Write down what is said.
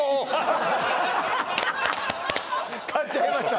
買っちゃいました